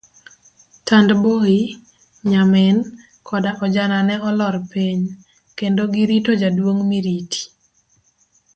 Tandboi, nyamin, koda ojana ne olor piny, kendo girito jaduong' Miriti.